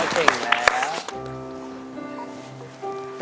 เก่งแล้ว